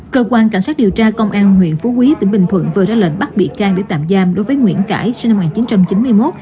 cơ quan cảnh sát điều tra công an huyện phú quý tỉnh bình thuận vừa ra lệnh bắt bị can để tạm giam đối với nguyễn cãi sinh năm một nghìn chín trăm chín mươi một